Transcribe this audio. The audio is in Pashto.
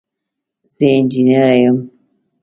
زه انجنیره یم.